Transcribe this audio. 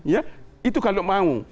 ya itu kalau mau